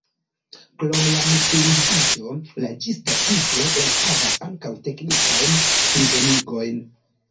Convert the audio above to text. Krom la multlingviĝo la ĝisdatigo enhavas ankaŭ teknikajn plibonigojn.